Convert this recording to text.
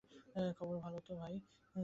খবর ভাল তো?